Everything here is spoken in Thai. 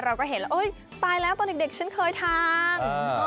เราก็เห็นแล้วตายแล้วตอนเด็กฉันเคยทาน